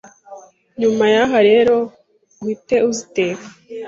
nyuma y’aha rero uhite uziteka